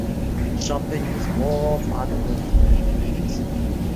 Shopping is more fun with friends.